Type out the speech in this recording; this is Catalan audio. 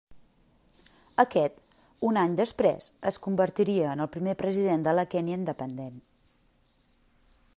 Aquest, un any després, es convertiria en el primer president de la Kenya independent.